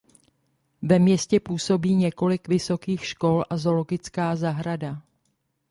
Ve městě působí několik vysokých škol a zoologická zahrada.